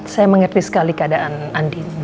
saya mengerti sekali keadaan andi